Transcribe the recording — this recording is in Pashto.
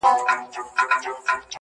o سترگي دي پټي كړه ويدېږمه زه.